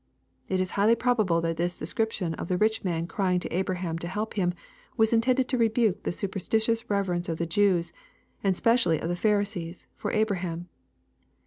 ] It is highly probable that this description of the rich man crying to Abraham to help him, was intended to rebuke the superstitious reverence of the Jev^rs, and specially of the Pharisees, for Abraham.